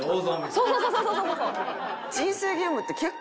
そうそうそうそう！